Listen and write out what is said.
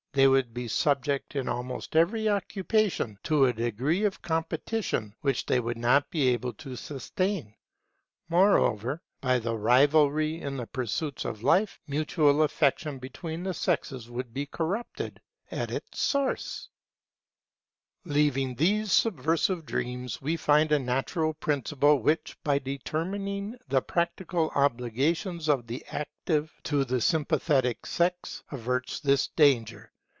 They would be subject in almost every occupation to a degree of competition which they would not be able to sustain. Moreover, by rivalry in the pursuits of life, mutual affection between the sexes would be corrupted at its source. [Woman to be maintained by Man] Leaving these subversive dreams, we find a natural principle which, by determining the practical obligations of the Active to the Sympathetic sex, averts this danger.